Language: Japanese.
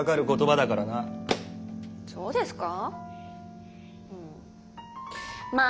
そうですかぁ？